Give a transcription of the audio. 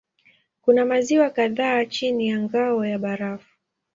Kuna maziwa kadhaa chini ya ngao ya barafu.